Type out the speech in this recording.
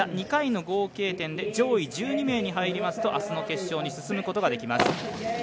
２回の合計点で上位１２名に入りますと明日の決勝に進むことができます。